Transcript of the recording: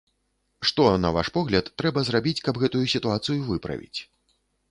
Што, на ваш погляд, трэба зрабіць, каб гэтую сітуацыю выправіць?